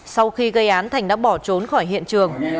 sau khi gây án thành đã bỏ trốn khỏi hiện trường